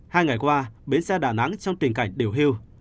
hai ngày qua bến xe đạ nắng trong tình cảnh điều hưu